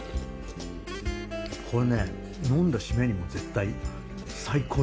これね呑んだシメにも絶対。